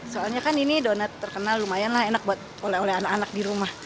soalnya kan ini donat terkenal lumayan lah enak buat oleh oleh anak anak di rumah